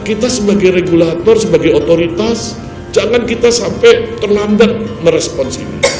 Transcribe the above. kita sebagai regulator sebagai otoritas jangan kita sampai terlambat merespons ini